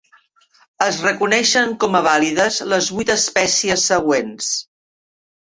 Es reconeixen com a vàlides les vuit espècies següents.